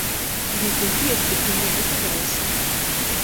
Dīzgon pieški piļneigi pagaisa.